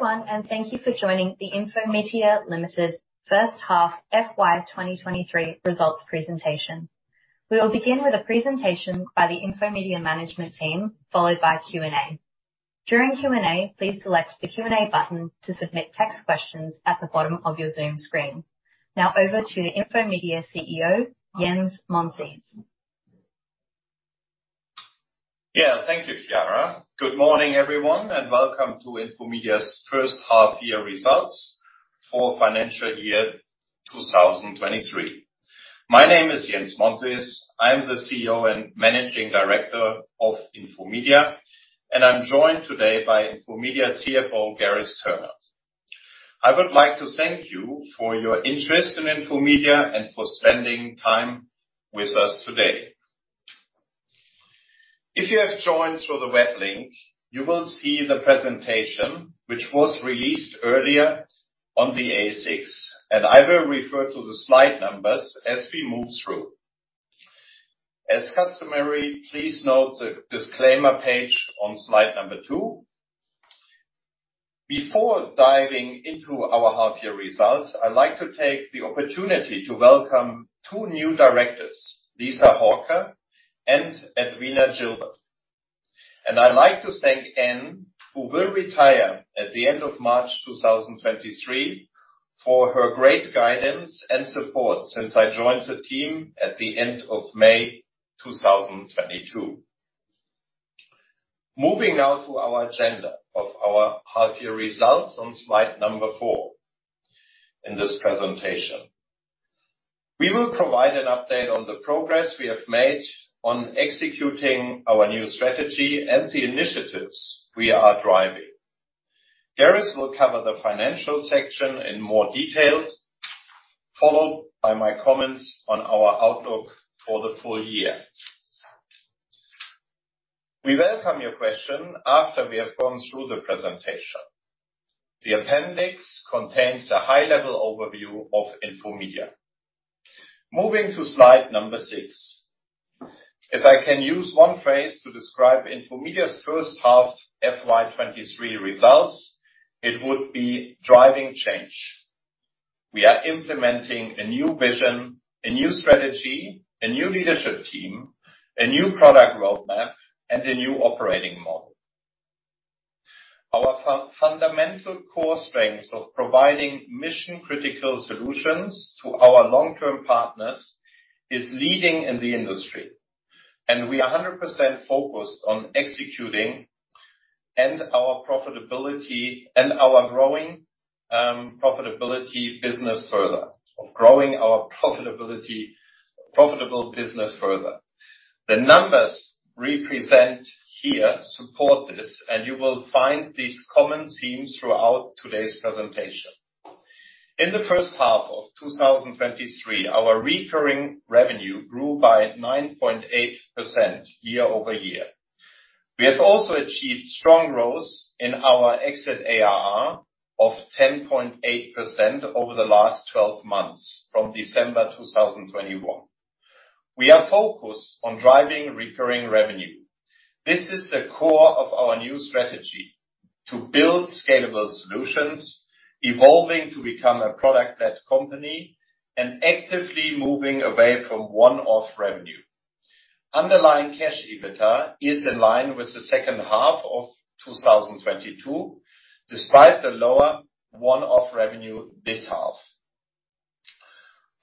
Hello everyone. Thank you for joining the Infomedia Limited first half FY 2023 results presentation. We will begin with a presentation by the Infomedia management team, followed by Q&A. During Q&A, please select the Q&A button to submit text questions at the bottom of your Zoom screen. Now over to Infomedia CEO, Jens Monsees. Yeah. Thank you, Kiara. Good morning everyone, and welcome to Infomedia's first half year results for financial year 2023. My name is Jens Monsees. I'm the CEO and Managing Director of Infomedia, and I'm joined today by Infomedia CFO, Gareth Turner. I would like to thank you for your interest in Infomedia and for spending time with us today. If you have joined through the web link, you will see the presentation which was released earlier on the ASX, and I will refer to the slide numbers as we move through. As customary, please note the disclaimer page on slide number two. Before diving into our half year results, I'd like to take the opportunity to welcome two new directors. Lisa Harker and Edwina Gilbert. I'd like to thank Anne, who will retire at the end of March 2023, for her great guidance and support since I joined the team at the end of May 2022. Moving now to our agenda of our half year results on slide number four in this presentation. We will provide an update on the progress we have made on executing our new strategy and the initiatives we are driving. Gareth will cover the financial section in more detail, followed by my comments on our outlook for the full year. We welcome your question after we have gone through the presentation. The appendix contains a high-level overview of Infomedia. Moving to slide number six. If I can use one phrase to describe Infomedia's first half FY23 results, it would be driving change. We are implementing a new vision, a new strategy, a new leadership team, a new product roadmap, and a new operating model. Our fundamental core strengths of providing mission-critical solutions to our long-term partners is leading in the industry. We are 100% focused on executing and our growing profitability business further. Of growing our profitability, profitable business further. The numbers represent here support this. You will find these common themes throughout today's presentation. In the first half of 2023, our recurring revenue grew by 9.8% year-over-year. We have also achieved strong growth in our exit ARR of 10.8% over the last 12 months from December 2021. We are focused on driving recurring revenue. This is the core of our new strategy to build scalable solutions, evolving to become a product-led company, and actively moving away from one-off revenue. Underlying cash EBITDA is in line with the second half of 2022, despite the lower one-off revenue this half.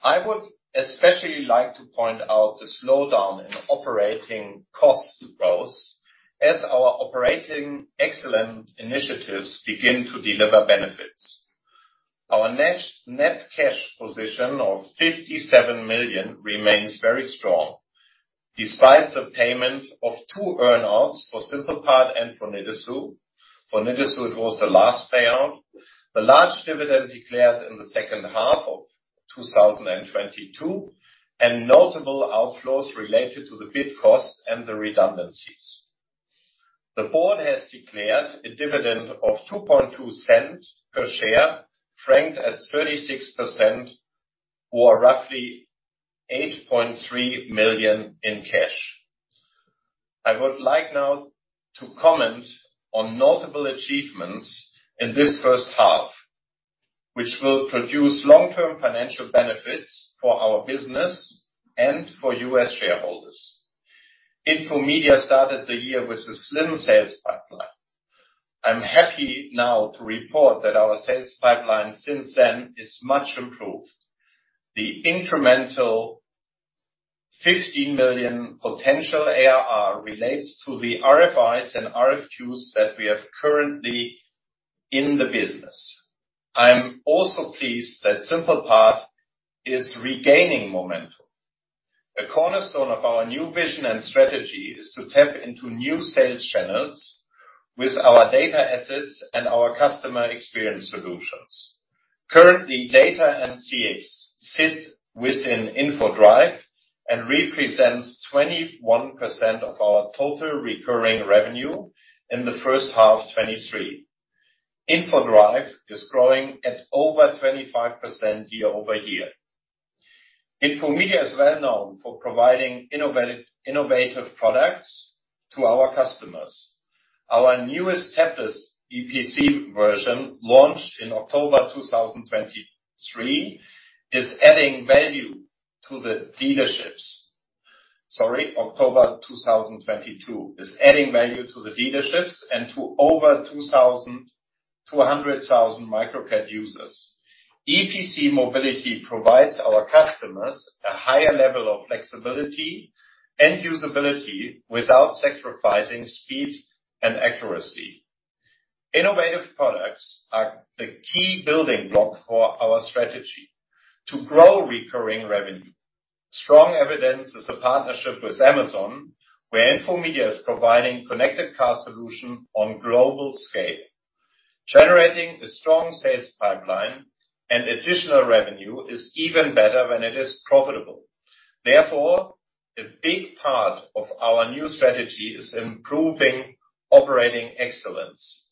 I would especially like to point out the slowdown in operating cost growth as our operating excellence initiatives begin to deliver benefits. Our net cash position of 57 million remains very strong, despite the payment of two earn outs for SimplePart and for Nidasu. For Nidasu, it was the last payout. The large dividend declared in the second half of 2022, and notable outflows related to the bid cost and the redundancies. The board has declared a dividend of 0.022 per share, franked at 36%, or roughly 8.3 million in cash. I would like now to comment on notable achievements in this first half, which will produce long-term financial benefits for our business and for you as shareholders. Infomedia started the year with a slim sales pipeline. I'm happy now to report that our sales pipeline since then is much improved. The incremental 15 million potential ARR relates to the RFIs and RFQs that we have currently in the business. I'm also pleased that SimplePart is regaining momentum. A cornerstone of our new vision and strategy is to tap into new sales channels with our data assets and our customer experience solutions. Currently, data and CX sit within Infodrive and represents 21% of our total recurring revenue in the first half of 2023. Infodrive is growing at over 25% year-over-year. Infomedia is well known for providing innovative products to our customers. Our newest TEpis EPC version, launched in October 2023, is adding value to the dealerships. Sorry, October 2022, is adding value to the dealerships and to over 200,000 Microcat users. EPC mobility provides our customers a higher level of flexibility and usability without sacrificing speed and accuracy. Innovative products are the key building block for our strategy to grow recurring revenue. Strong evidence is a partnership with Amazon, where Infomedia is providing connected car solution on global scale. Generating a strong sales pipeline and additional revenue is even better when it is profitable. A big part of our new strategy is improving operating excellence.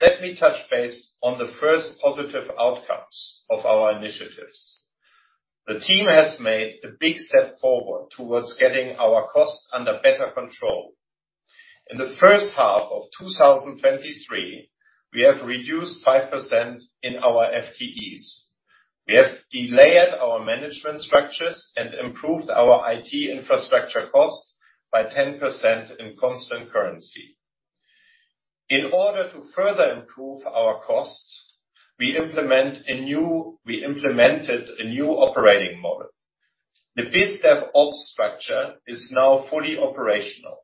Let me touch base on the first positive outcomes of our initiatives. The team has made a big step forward towards getting our cost under better control. In the first half of 2023, we have reduced 5% in our FTEs. We have de-layered our management structures and improved our IT infrastructure costs by 10% in constant currency. In order to further improve our costs, we implemented a new operating model. The BizDevOp structure is now fully operational.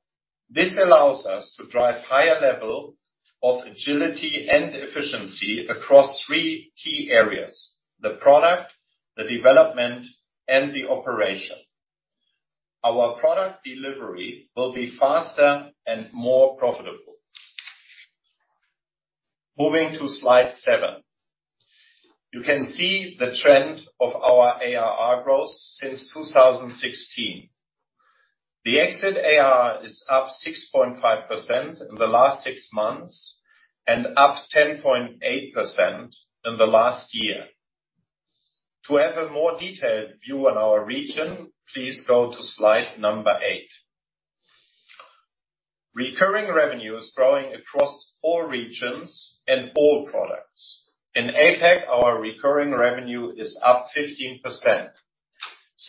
This allows us to drive higher level of agility and efficiency across three key areas: the product, the development, and the operation. Our product delivery will be faster and more profitable. Moving to slide seven. You can see the trend of our ARR growth since 2016. The exit ARR is up 6.5% in the last six months and up 10.8% in the last year. To have a more detailed view on our region, please go to slide number eight. Recurring revenue is growing across all regions and all products. In APAC, our recurring revenue is up 15%.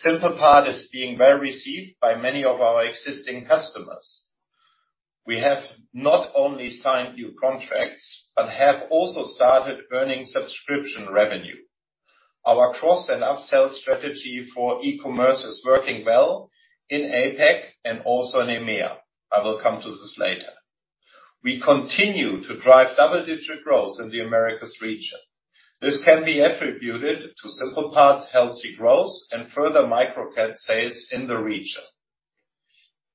SimplePart is being well received by many of our existing customers. We have not only signed new contracts, but have also started earning subscription revenue. Our cross and upsell strategy for e-commerce is working well in APAC and also in EMEA. I will come to this later. We continue to drive double-digit growth in the Americas region. This can be attributed to SimplePart's healthy growth and further Microcat sales in the region.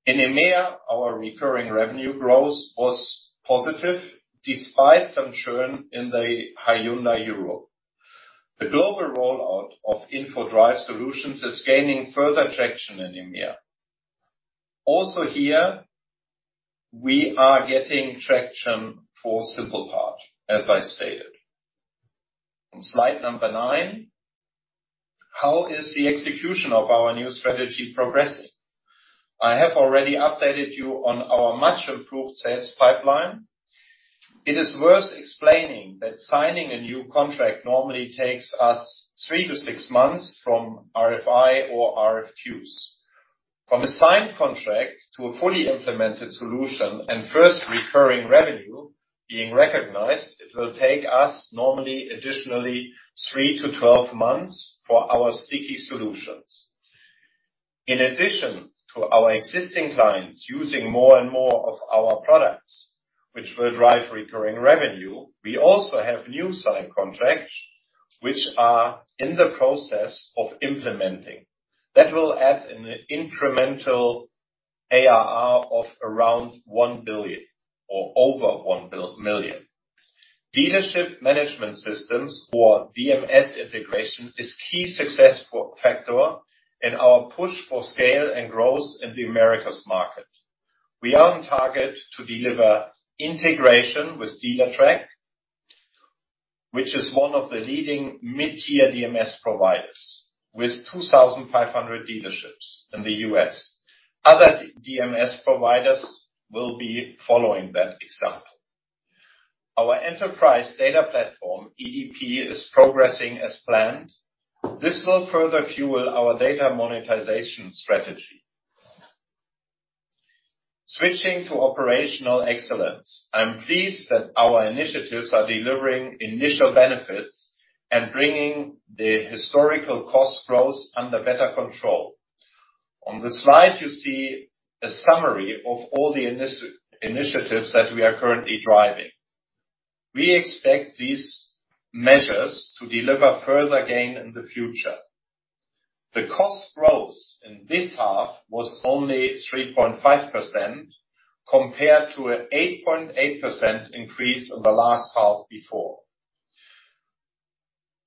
In EMEA, our recurring revenue growth was positive despite some churn in the Hyundai Europe. The global rollout of Infodrive solutions is gaining further traction in EMEA. Also here, we are getting traction for SimplePart, as I stated. On slide number nine, how is the execution of our new strategy progressing? I have already updated you on our much improved sales pipeline. It is worth explaining that signing a new contract normally takes us three to six months from RFI or RFQs. From a signed contract to a fully implemented solution and first recurring revenue being recognized, it will take us normally additionally three to 12 months for our sticky solutions. In addition to our existing clients using more and more of our products, which will drive recurring revenue, we also have new signed contracts which are in the process of implementing. That will add an incremental ARR of around 1 billion or over 1 million. Dealership Management Systems or DMS integration is key success factor in our push for scale and growth in the Americas market. We are on target to deliver integration with Dealertrack, which is one of the leading mid-tier DMS providers with 2,500 dealerships in the U.S. Other DMS providers will be following that example. Our Enterprise Data Platform, EDP, is progressing as planned. This will further fuel our data monetization strategy. Switching to operational excellence, I'm pleased that our initiatives are delivering initial benefits and bringing the historical cost growth under better control. On the slide, you see a summary of all the initiatives that we are currently driving. We expect these measures to deliver further gain in the future. The cost growth in this half was only 3.5% compared to a 8.8% increase in the last half before.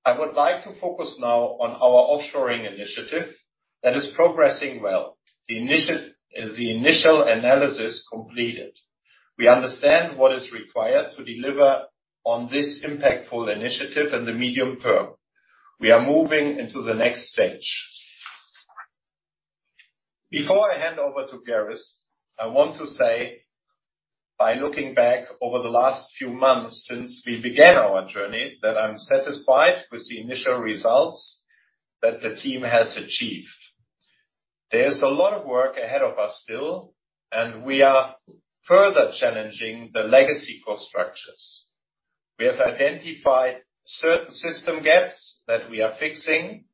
I would like to focus now on our offshoring initiative that is progressing well. The initial analysis completed. We understand what is required to deliver. On this impactful initiative and the medium term, we are moving into the next stage. Before I hand over to Gareth, I want to say, by looking back over the last few months since we began our journey, that I'm satisfied with the initial results that the team has achieved. There's a lot of work ahead of us still, and we are further challenging the legacy cost structures. We have identified certain system gaps that we are fixing,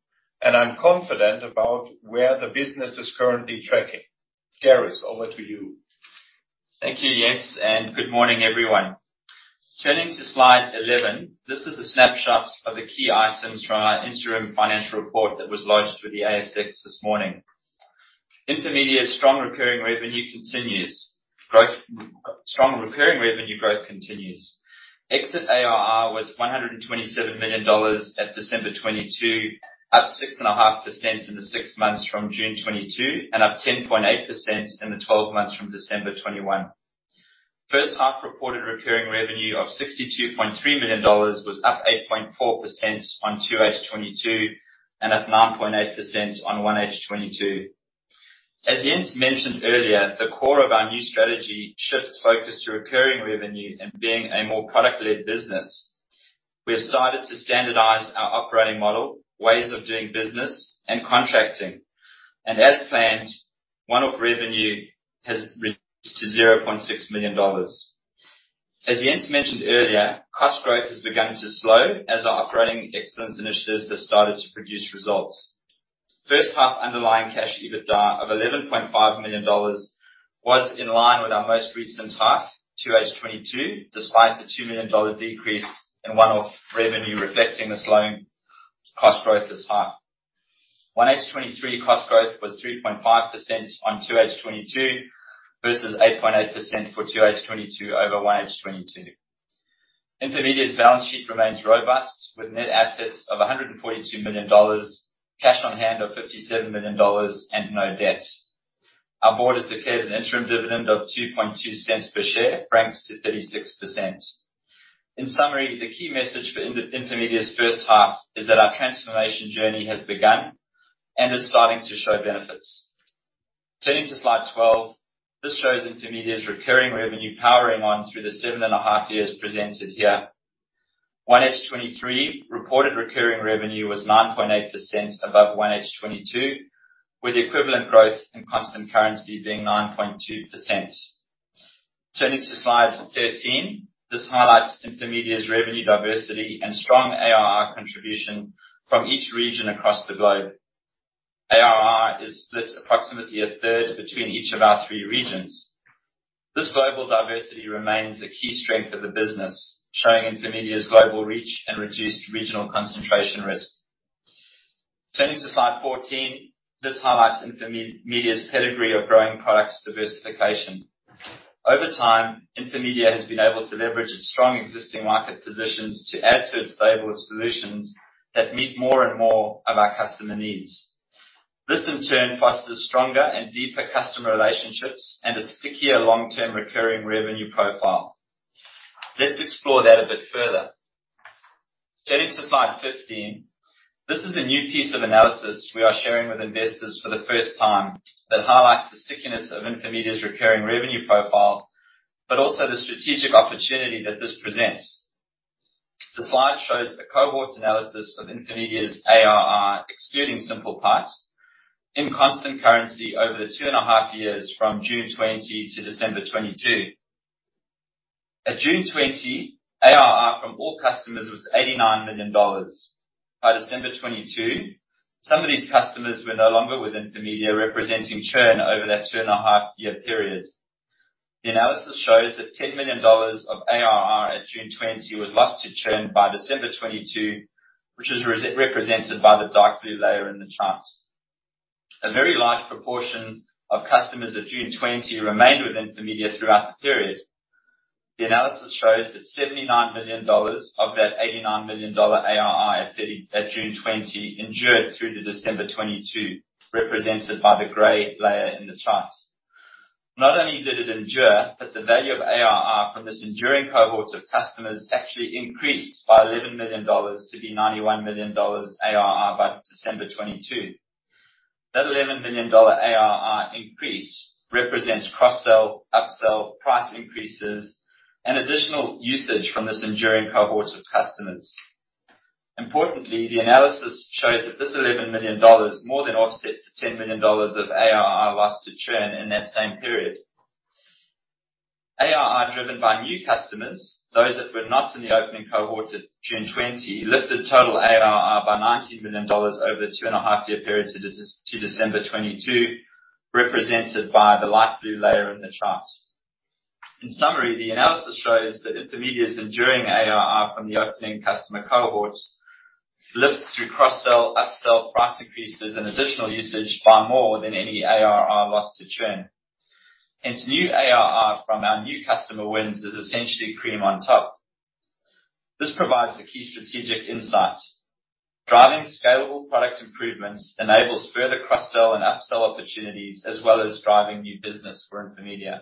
and I'm confident about where the business is currently tracking. Gareth, over to you. Thank you, Jens. Good morning, everyone. Turning to slide 11, this is the snapshots of the key items from our interim financial report that was lodged with the ASX this morning. Infomedia's strong recurring revenue continues. Strong recurring revenue growth continues. Exit ARR was 127 million dollars at December 2022, up 6.5% in the six months from June 2022, and up 10.8% in the 12 months from December 2021. First half reported recurring revenue of 62.3 million dollars was up 8.4% on 2H 2022 and up 9.8% on 1H 2022. As Jens mentioned earlier, the core of our new strategy shifts focus to recurring revenue and being a more product-led business. We have started to standardize our operating model, ways of doing business and contracting. As planned, one-off revenue has reached to 0.6 million dollars. As Jens mentioned earlier, cost growth has begun to slow as our operating excellence initiatives have started to produce results. First half underlying cash EBITDA of AUD 11.5 million was in line with our most recent half, 2H 2022, despite the AUD 2 million decrease in one-off revenue reflecting the slowing cost growth this half. 1H 2023 cost growth was 3.5% on 2H 2022 versus 8.8% for 2H 2022 over 1H 2022. Infomedia's balance sheet remains robust with net assets of 142 million dollars, cash on hand of 57 million dollars and no debt. Our board has declared an interim dividend of 0.022 per share, franked to 36%. In summary, the key message for Infomedia's first half is that our transformation journey has begun and is starting to show benefits. Turning to slide 12, this shows Infomedia's recurring revenue powering on through the 7.5 years presented here. 1H 2023 reported recurring revenue was 9.8% above 1H 2022, with equivalent growth in constant currency being 9.2%. Turning to slide 13, this highlights Infomedia's revenue diversity and strong ARR contribution from each region across the globe. ARR is split approximately 1/3 between each of our three regions. This global diversity remains the key strength of the business, showing Infomedia's global reach and reduced regional concentration risk. Turning to slide 14, this highlights Infomedia's pedigree of growing products diversification. Over time, Infomedia has been able to leverage its strong existing market positions to add to its stable of solutions that meet more and more of our customer needs. This in turn fosters stronger and deeper customer relationships and a stickier long-term recurring revenue profile. Let's explore that a bit further. Turning to slide 15. This is a new piece of analysis we are sharing with investors for the first time that highlights the stickiness of Infomedia's recurring revenue profile, but also the strategic opportunity that this presents. The slide shows a cohorts analysis of Infomedia's ARR, excluding SimplePart, in constant currency over the two and a half years from June 2020 to December 2022. At June 2020, ARR from all customers was $89 million. By December 2022, some of these customers were no longer with Infomedia, representing churn over that two and a half year period. The analysis shows that 10 million dollars of ARR at June 2020 was lost to churn by December 2022, which is represented by the dark blue layer in the charts. A very large proportion of customers at June 2020 remained with Infomedia throughout the period. The analysis shows that 79 million dollars of that 89 million dollar ARR at June 2020 endured through to December 2022, represented by the gray layer in the charts. Not only did it endure, but the value of ARR from this enduring cohort of customers actually increased by 11 million dollars to be 91 million dollars ARR by December 2022. That 11 million dollar ARR increase represents cross-sell, upsell, price increases and additional usage from this enduring cohort of customers. Importantly, the analysis shows that this 11 million dollars more than offsets the 10 million dollars of ARR lost to churn in that same period. ARR driven by new customers, those that were not in the opening cohort at June 20, lifted total ARR by AUD 19 million over the 2.5-year period to December 2022, represented by the light blue layer in the charts. In summary, the analysis shows that Infomedia's enduring ARR from the opening customer cohorts lifts through cross-sell, upsell, price increases and additional usage by more than any ARR lost to churn. Its new ARR from our new customer wins is essentially cream on top. This provides a key strategic insight. Driving scalable product improvements enables further cross-sell and upsell opportunities, as well as driving new business for Infomedia.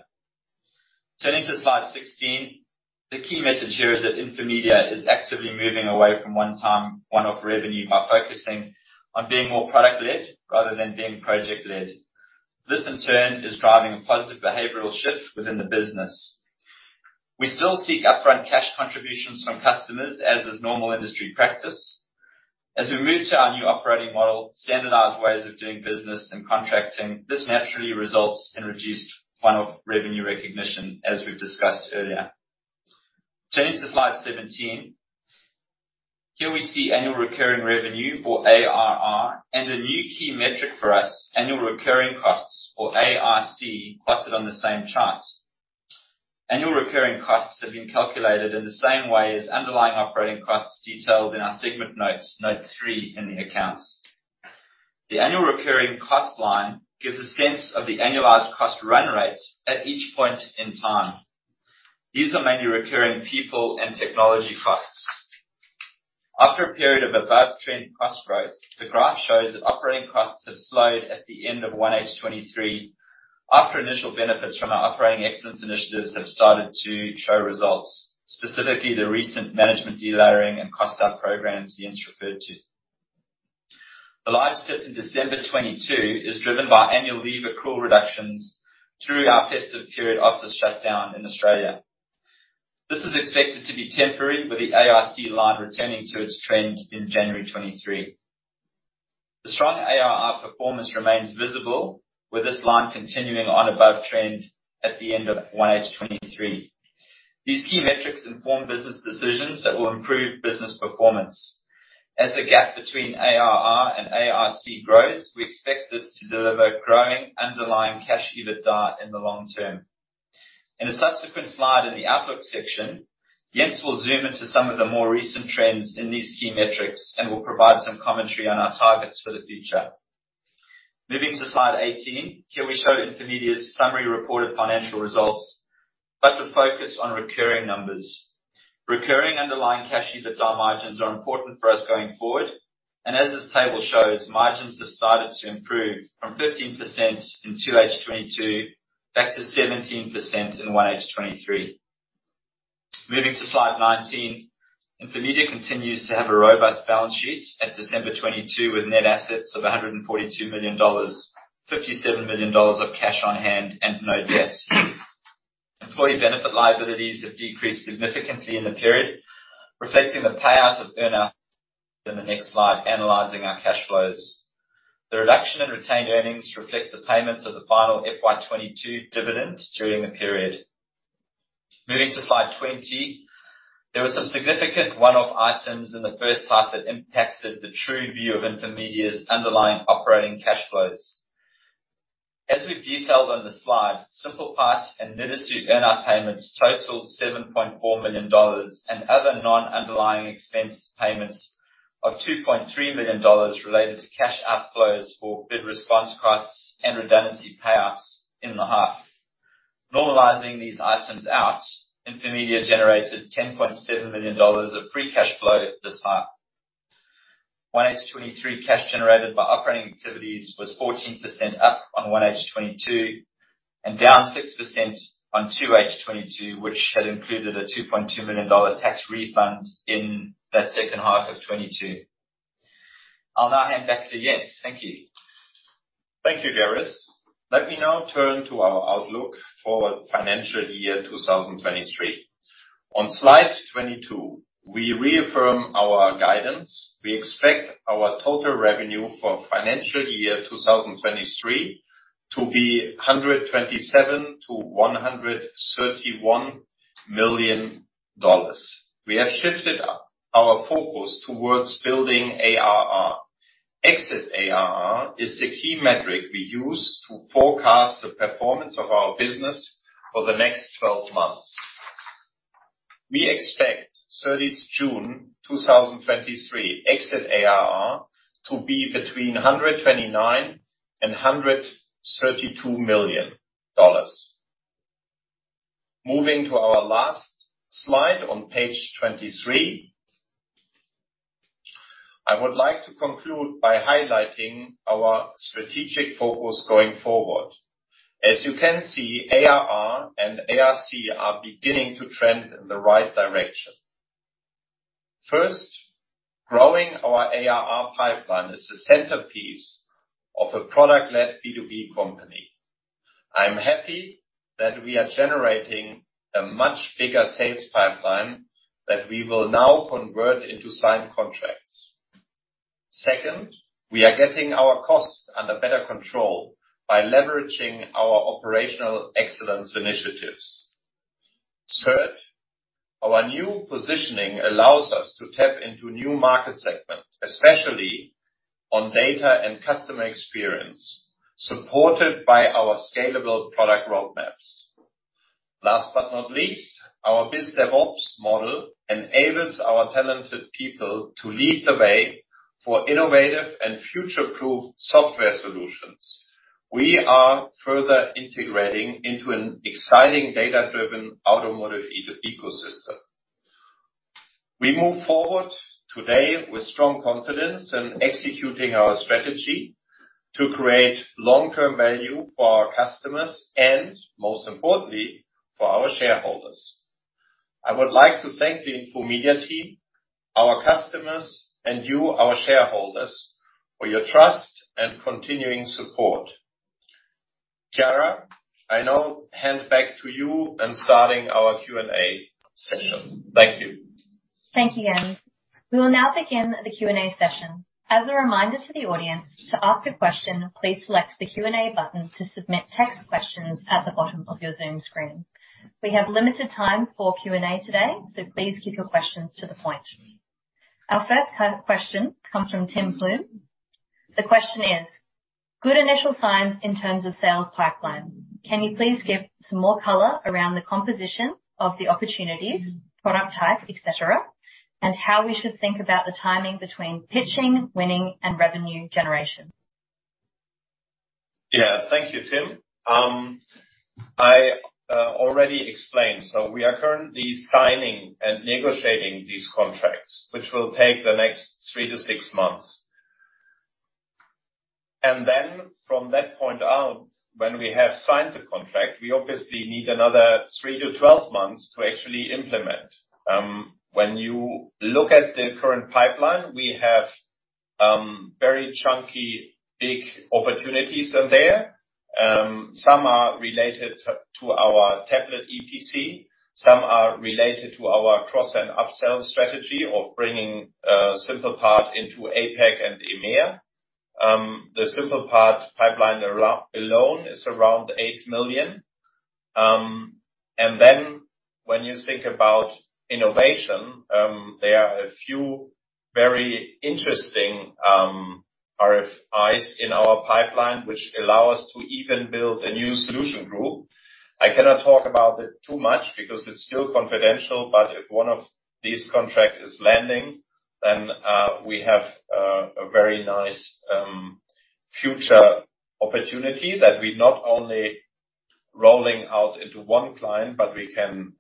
Turning to slide 16. The key message here is that Infomedia is actively moving away from one-time, one-off revenue by focusing on being more product-led rather than being project-led. This, in turn, is driving a positive behavioral shift within the business. We still seek upfront cash contributions from customers, as is normal industry practice. As we move to our new operating model, standardized ways of doing business and contracting, this naturally results in reduced 1-off revenue recognition, as we've discussed earlier. Turning to slide 17. Here we see annual recurring revenue, or ARR, and a new key metric for us, annual recurring costs or ARC, plotted on the same chart. Annual recurring costs have been calculated in the same way as underlying operating costs detailed in our segment notes, note three in the accounts. The annual recurring cost line gives a sense of the annualized cost run rates at each point in time. These are mainly recurring people and technology costs. After a period of above-trend cost growth, the graph shows that operating costs have slowed at the end of 1H 2023. After initial benefits from our operating excellence initiatives have started to show results, specifically the recent management delayering and cost out programs Jens referred to. The live step in December 2022 is driven by annual leave accrual reductions through our festive period office shutdown in Australia. This is expected to be temporary, with the AIC line returning to its trend in January 2023. The strong ARR performance remains visible with this line continuing on above trend at the end of 1H 2023. These key metrics inform business decisions that will improve business performance. As the gap between ARR and ARC grows, we expect this to deliver growing underlying cash EBITDA in the long term. In a subsequent slide in the outlook section, Jens will zoom into some of the more recent trends in these key metrics and will provide some commentary on our targets for the future. Moving to slide 18. Here we show Infomedia's summary reported financial results, but with focus on recurring numbers. Recurring underlying cash EBITDA margins are important for us going forward, and as this table shows, margins have started to improve from 15% in 2H 2022 back to 17% in 1H 2023. Moving to slide 19. Infomedia continues to have a robust balance sheet at December 2022 with net assets of 142 million dollars, 57 million dollars of cash on hand and no debts. Employee benefit liabilities have decreased significantly in the period, reflecting the payout of earnout. In the next slide, analyzing our cash flows. The reduction in retained earnings reflects the payments of the final FY22 dividend during the period. Moving to slide 20. There were some significant one-off items in the first half that impacted the true view of Infomedia's underlying operating cash flows. As we've detailed on the slide, SimplePart and Ministry earn out payments totaled 7.4 million dollars and other non-underlying expense payments of 2.3 million dollars related to cash outflows for bid response costs and redundancy payouts in the half. Normalizing these items out, Infomedia generated 10.7 million dollars of free cash flow this half. 1H23 cash generated by operating activities was 14% up on 1H22 and down 6% on 2H22, which had included a 2.2 million dollar tax refund in that 2H22. I'll now hand back to Jens. Thank you. Thank you, Gareth. Let me now turn to our outlook for financial year 2023. On slide 22, we reaffirm our guidance. We expect our total revenue for financial year 2023 to be 127 million-131 million dollars. We have shifted our focus towards building ARR. Exit ARR is the key metric we use to forecast the performance of our business for the next 12 months. We expect 30 June 2023 exit ARR to be between 129 million dollars and 132 million dollars. Moving to our last slide on page 23. I would like to conclude by highlighting our strategic focus going forward. As you can see, ARR and ARC are beginning to trend in the right direction. First, growing our ARR pipeline is the centerpiece of a product-led B2B company. I'm happy that we are generating a much bigger sales pipeline that we will now convert into signed contracts. Second, we are getting our costs under better control by leveraging our operational excellence initiatives. Third, our new positioning allows us to tap into new market segments, especially on data and customer experience, supported by our scalable product roadmaps. Last but not least, our BizDevOps model enables our talented people to lead the way for innovative and future-proof software solutions. We are further integrating into an exciting data-driven automotive ecosystem. We move forward today with strong confidence in executing our strategy to create long-term value for our customers, and most importantly, for our shareholders. I would like to thank the Infomedia team, our customers, and you, our shareholders, for your trust and continuing support. Kiara, I now hand back to you in starting our Q&A session. Thank you. Thank you, Jens. We will now begin the Q&A session. As a reminder to the audience, to ask a question, please select the Q&A button to submit text questions at the bottom of your Zoom screen. We have limited time for Q&A today, so please keep your questions to the point. Our first question comes from Tim Plumbe. The question is: Good initial signs in terms of sales pipeline. Can you please give some more color around the composition of the opportunities, product type, et cetera, and how we should think about the timing between pitching, winning and revenue generation? Thank you, Tim Plumbe. I already explained, we are currently signing and negotiating these contracts, which will take the next three to 6 months. From that point out, when we have signed the contract, we obviously need another three to 12 months to actually implement. When you look at the current pipeline, we have very chunky, big opportunities are there. Some are related to our Tablet EPC. Some are related to our cross and upsell strategy of bringing SimplePart into APAC and EMEA. The SimplePart pipeline alone is around 8 million. When you think about innovation, there are a few very interesting RFIs in our pipeline which allow us to even build a new solution group. I cannot talk about it too much because it's still confidential, but if one of these contract is landing, then, we have a very nice future opportunity that we not only rolling out into one client, but we can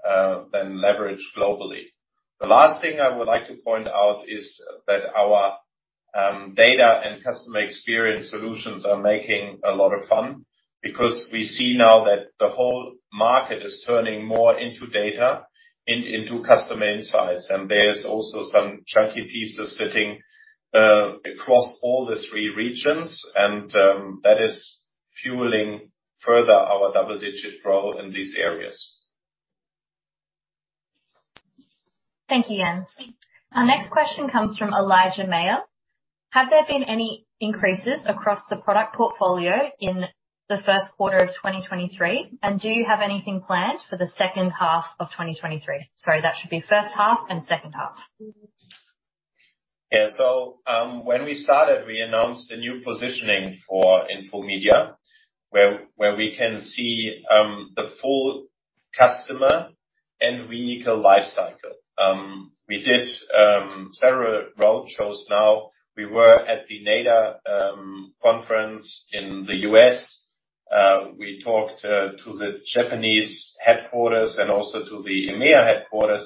then leverage globally. The last thing I would like to point out is that our data and customer experience solutions are making a lot of fun because we see now that the whole market is turning more into data, into customer insights. There is also some chunky pieces sitting across all the three regions, and that is fueling further our double-digit growth in these areas. Thank you, Jens. Our next question comes from Elijah Mayer. Have there been any increases across the product portfolio in the first quarter of 2023? Do you have anything planned for the second half of 2023? Sorry, that should be first half and second half. When we started, we announced a new positioning for Infomedia, where we can see the full customer and vehicle life cycle. We did several roadshows now. We were at the NADA conference in the U.S. We talked to the Japanese headquarters and also to the EMEA headquarters.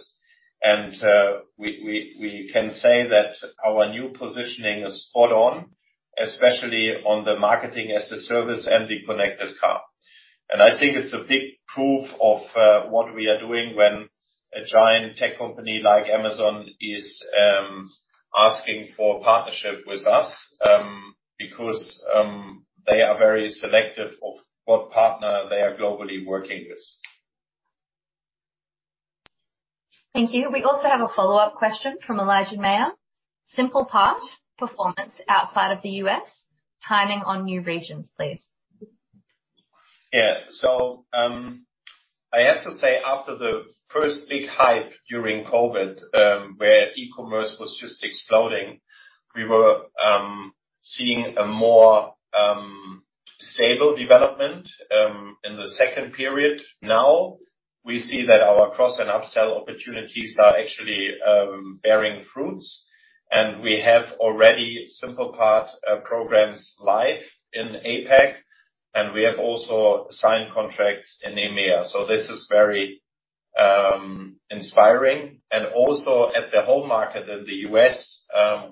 We can say that our new positioning is spot on, especially on the Marketing as a Service and the connected car. I think it's a big proof of what we are doing when a giant tech company like Amazon is asking for partnership with us because they are very selective of what partner they are globally working with. Thank you. We also have a follow-up question from Elijah Mayer. SimplePart performance outside of the U.S., timing on new regions, please. I have to say, after the first big hype during COVID, where e-commerce was just exploding, we were seeing a more stable development in the second period. Now, we see that our cross and upsell opportunities are actually bearing fruits. We have already SimplePart programs live in APAC, and we have also signed contracts in EMEA. This is very inspiring. Also at the whole market in the U.S.,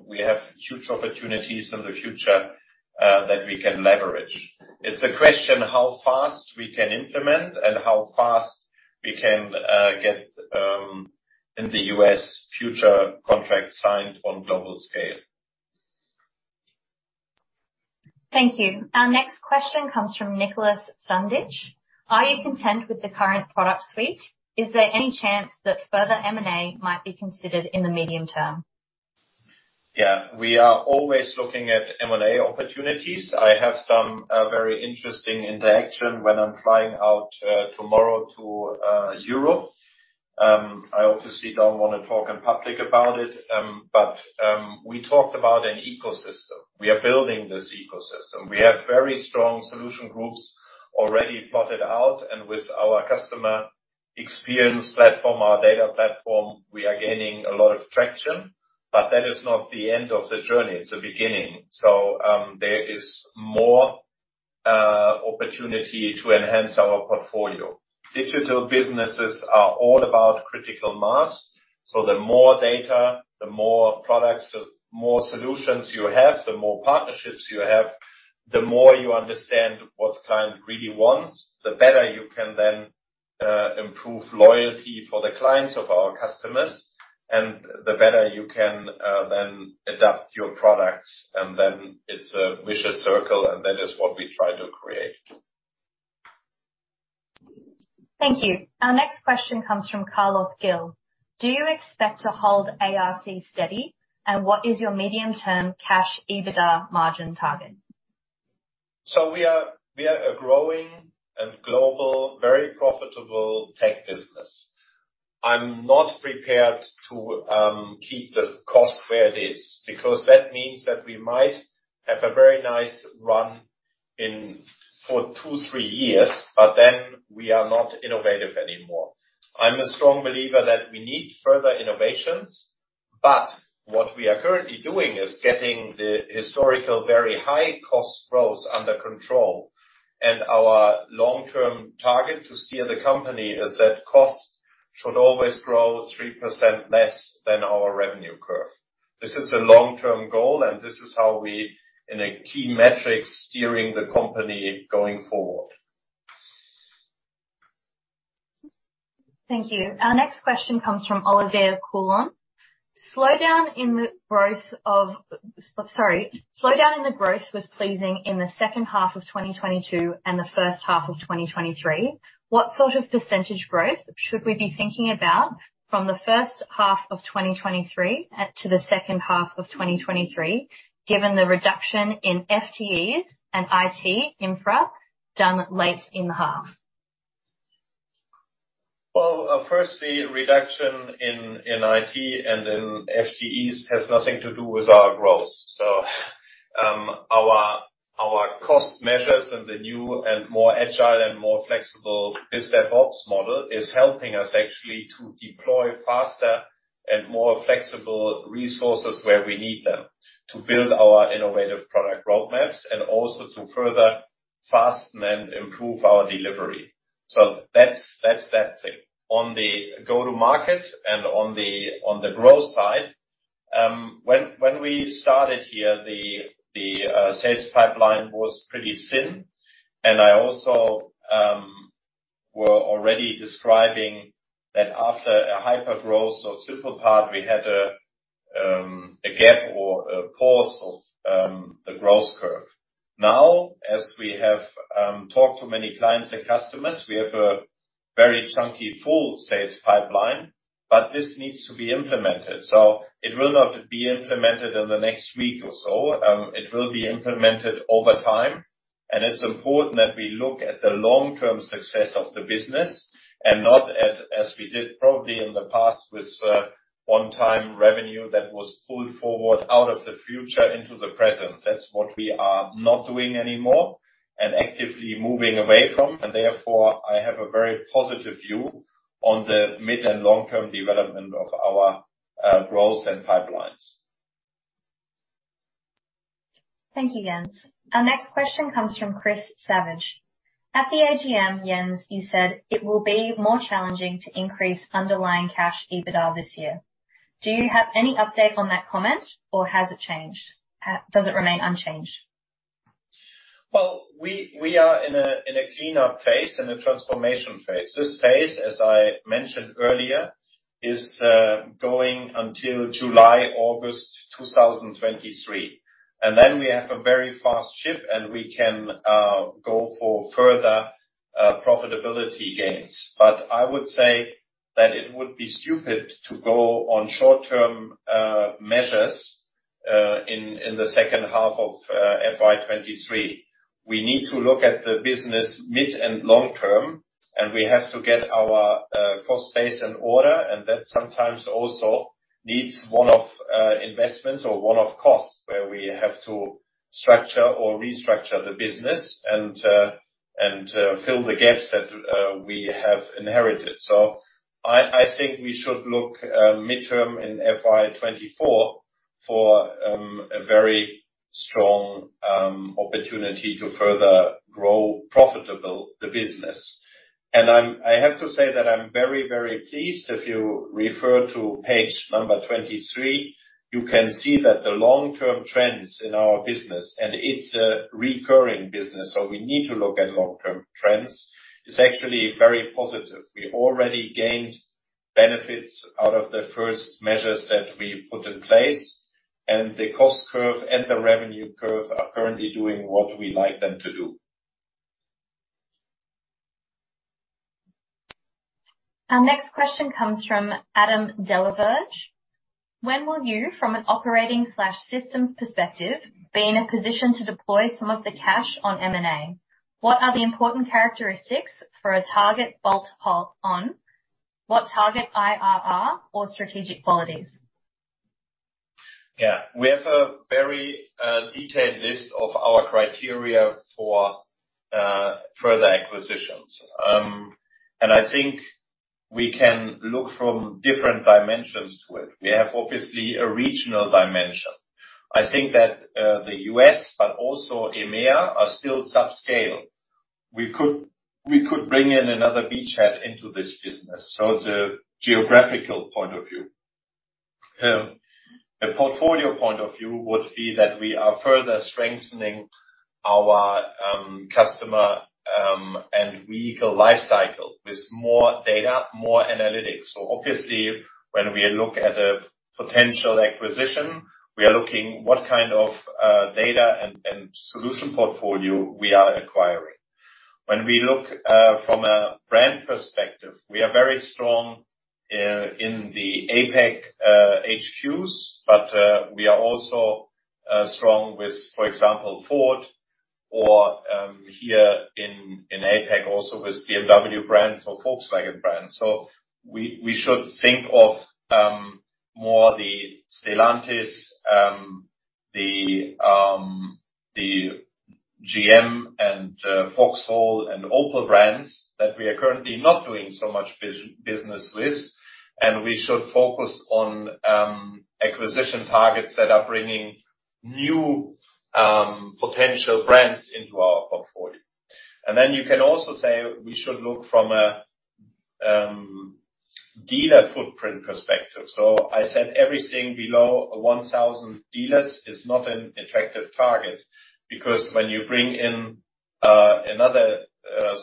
we have huge opportunities in the future that we can leverage. It's a question how fast we can implement and how fast we can get in the U.S. future contracts signed on global scale. Thank you. Our next question comes from Nicholas Sundich. Are you content with the current product suite? Is there any chance that further M&A might be considered in the medium term? Yeah. We are always looking at M&A opportunities. I have some very interesting interaction when I'm flying out tomorrow to Europe. I obviously don't wanna talk in public about it. We talked about an ecosystem. We are building this ecosystem. We have very strong solution groups already plotted out, and with our customer-experience platform, our data platform, we are gaining a lot of traction, but that is not the end of the journey, it's the beginning. There is more opportunity to enhance our portfolio. Digital businesses are all about critical mass, so the more data, the more products, the more solutions you have, the more partnerships you have, the more you understand what client really wants, the better you can then improve loyalty for the clients of our customers, and the better you can then adapt your products. It's a vicious circle, and that is what we try to create. Thank you. Our next question comes from Carlos Gil. "Do you expect to hold ARC steady, and what is your medium-term cash EBITDA margin target? We are a growing and global, very profitable tech business. I'm not prepared to keep the cost where it is, because that means that we might have a very nice run for two, three years, but then we are not innovative anymore. I'm a strong believer that we need further innovations, but what we are currently doing is getting the historical very high cost growth under control. Our long-term target to steer the company is that costs should always grow 3% less than our revenue curve. This is a long-term goal, and this is how we, in a key metric, steering the company going forward. Thank you. Our next question comes from Olivier Coulon. "Slowdown in the growth was pleasing in the second half of 2022 and the first half of 2023. What sort of percentage growth should we be thinking about from the first half of 2023 to the second half of 2023, given the reduction in FTEs and IT infra done late in the half? Firstly, reduction in IT and in FTEs has nothing to do with our growth. Our cost measures and the new and more agile and more flexible BizDevOps model is helping us actually to deploy faster and more flexible resources where we need them to build our innovative product roadmaps and also to further fasten and improve our delivery. That's that thing. On the go-to-market and on the growth side, when we started here, the sales pipeline was pretty thin. I also were already describing that after a hypergrowth or super pod, we had a gap or a pause of the growth curve. Now, as we have talked to many clients and customers, we have a very chunky full sales pipeline, but this needs to be implemented. It will not be implemented in the next week or so. It will be implemented over time, and it's important that we look at the long-term success of the business and not at, as we did probably in the past with one-time revenue that was pulled forward out of the future into the present. That's what we are not doing anymore and actively moving away from. Therefore, I have a very positive view on the mid and long-term development of our growth and pipelines. Thank you, Jens. Our next question comes from Chris Savage. "At the AGM, Jens, you said it will be more challenging to increase underlying cash EBITDA this year. Do you have any update on that comment or has it changed? Does it remain unchanged? Well, we are in a cleanup phase and a transformation phase. This phase, as I mentioned earlier, is going until July, August 2023. Then we have a very fast shift and we can go for further profitability gains. I would say that it would be stupid to go on short-term measures in the second half of FY23. We need to look at the business mid and long term, and we have to get our cost base in order, and that sometimes also needs one-off investments or one-off costs, where we have to structure or restructure the business and and fill the gaps that we have inherited. I think we should look, midterm in FY 2024 for a very strong opportunity to further grow profitable the business. I have to say that I'm very, very pleased. If you refer to page number 23, you can see that the long-term trends in our business, and it's a recurring business, so we need to look at long-term trends. It's actually very positive. We already gained benefits out of the first measures that we put in place, and the cost curve and the revenue curve are currently doing what we like them to do. Our next question comes from Adam Dellavearge. "When will you, from an operating/systems perspective, be in a position to deploy some of the cash on M&A? What are the important characteristics for a target bolt-on? What target IRR or strategic qualities? We have a very detailed list of our criteria for further acquisitions. I think we can look from different dimensions to it. We have obviously a regional dimension. I think that the U.S., but also EMEA, are still subscale. We could bring in another V-Chat into this business. It's a geographical point of view. A portfolio point of view would be that we are further strengthening our customer and vehicle life cycle with more data, more analytics. Obviously when we look at a potential acquisition, we are looking what kind of data and solution portfolio we are acquiring. When we look from a brand perspective, we are very strong in the APAC HQs, but we are also strong with, for example, Ford or here in APAC also with BMW brands or Volkswagen brands. We should think of more the Stellantis, the GM and Vauxhall and Opel brands that we are currently not doing so much business with, and we should focus on acquisition targets that are bringing new potential brands into our portfolio. You can also say, we should look from a dealer footprint perspective. I said everything below 1,000 dealers is not an effective target because when you bring in another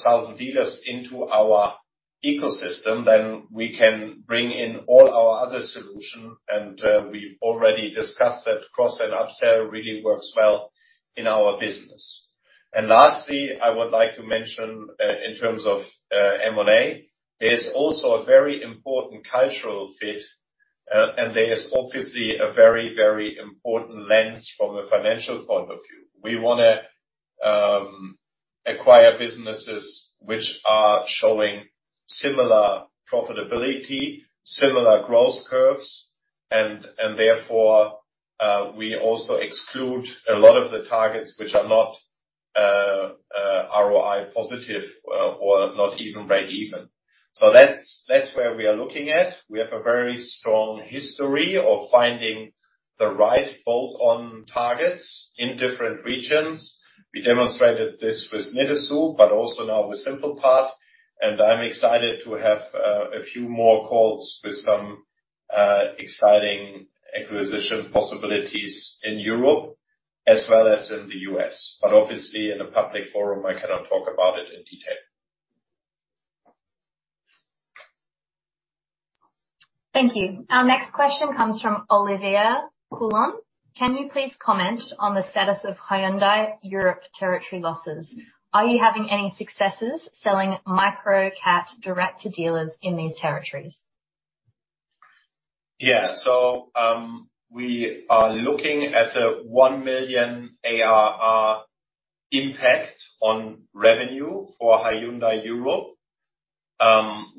1,000 dealers into our ecosystem, then we can bring in all our other solution, and we already discussed that cross and upsell really works well in our business. Lastly, I would like to mention in terms of M&A, there's also a very important cultural fit, and there is obviously a very, very important lens from a financial point of view. We wanna acquire businesses which are showing similar profitability, similar growth curves, and therefore, we also exclude a lot of the targets which are not ROI positive, or not even break even. That's where we are looking at. We have a very strong history of finding the right bolt on targets in different regions. We demonstrated this with Nidasu, but also now with SimplePart, and I'm excited to have a few more calls with some exciting acquisition possibilities in Europe as well as in the U.S. Obviously in a public forum, I cannot talk about it in detail. Thank you. Our next question comes from Olivier Coulon. Can you please comment on the status of Hyundai Europe territory losses? Are you having any successes selling Microcat direct to dealers in these territories? We are looking at an 1 million ARR impact on revenue for Hyundai Europe.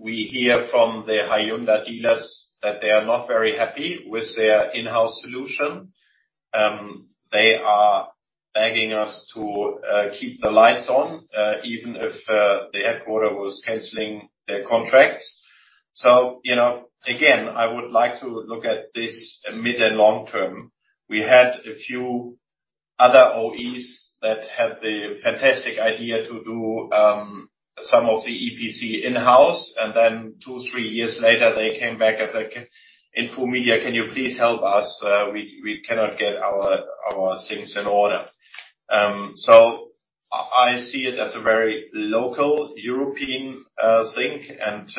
We hear from the Hyundai dealers that they are not very happy with their in-house solution. They are begging us to keep the lights on, even if the headquarter was canceling their contracts. You know, again, I would like to look at this mid and long term. We had a few other OEs that had the fantastic idea to do some of the EPC in-house, and then two, three years later, they came back and said, "Infomedia, can you please help us? We, we cannot get our things in order." I see it as a very local European thing, and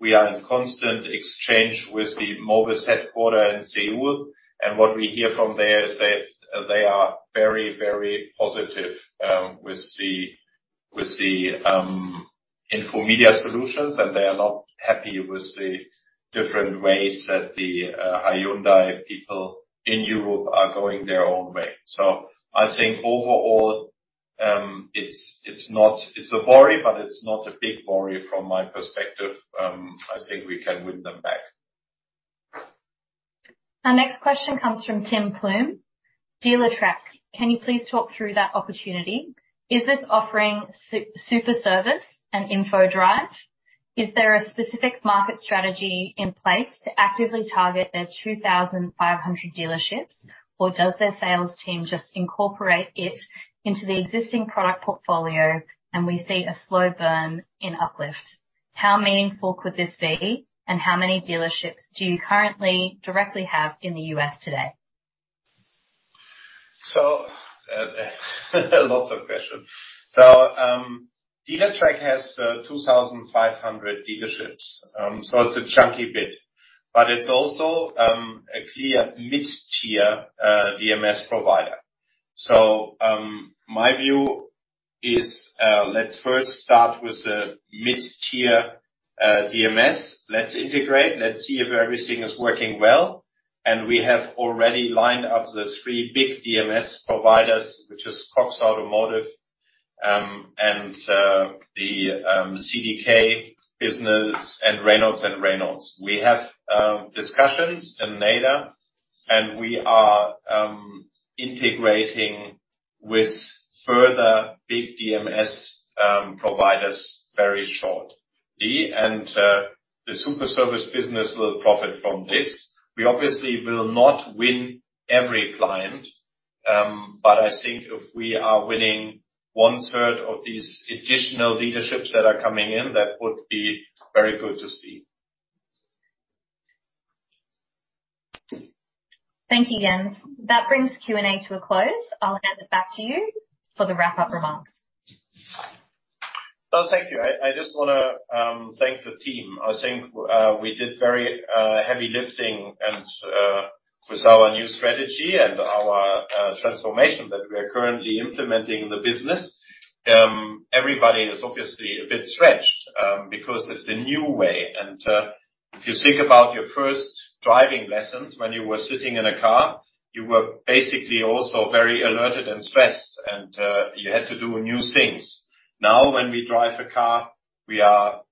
we are in constant exchange with the Mobis headquarter in Seoul. What we hear from there is that they are very, very positive, with the, with the, Infomedia solutions, and they are not happy with the different ways that the Hyundai people in Europe are going their own way. I think overall, It's a worry, but it's not a big worry from my perspective. I think we can win them back. Our next question comes from Tim Plumbe. Dealertrack, can you please talk through that opportunity? Is this offering Superservice and Infodrive? Is there a specific market strategy in place to actively target their 2,500 dealerships, or does their sales team just incorporate it into the existing product portfolio and we see a slow burn in uplift? How meaningful could this be, and how many dealerships do you currently directly have in the US today? Lots of questions. Dealertrack has 2,500 dealerships. It's a chunky bit. It's also a clear mid-tier DMS provider. My view is, let's first start with the mid-tier DMS. Let's integrate. Let's see if everything is working well, and we have already lined up the three big DMS providers, which is Cox Automotive and the CDK business and Reynolds and Reynolds. We have discussions in NADA, and we are integrating with further big DMS providers very shortly. The Superservice business will profit from this. We obviously will not win every client, but I think if we are winning one third of these additional dealerships that are coming in, that would be very good to see. Thank you, Jens. That brings Q&A to a close. I'll hand it back to you for the wrap-up remarks. Well, thank you. I just wanna thank the team. I think we did very heavy lifting and with our new strategy and our transformation that we are currently implementing in the business. Everybody is obviously a bit stretched because it's a new way. If you think about your first driving lessons when you were sitting in a car, you were basically also very alerted and stressed, and you had to do new things. Now, when we drive a car, we are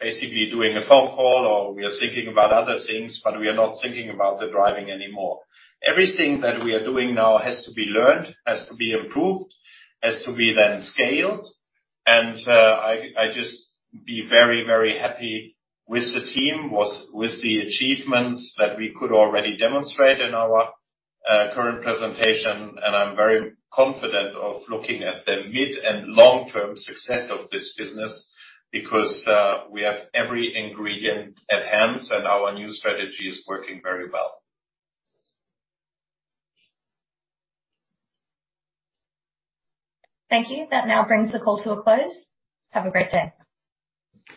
basically doing a phone call or we are thinking about other things, but we are not thinking about the driving anymore. Everything that we are doing now has to be learned, has to be improved, has to be then scaled. I just be very, very happy with the team, with the achievements that we could already demonstrate in our current presentation, and I'm very confident of looking at the mid and long-term success of this business because we have every ingredient at hand, and our new strategy is working very well. Thank you. That now brings the call to a close. Have a great day.